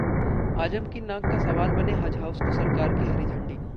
आजम की नाक का सवाल बने हज हाउस को सरकार की हरी झंडी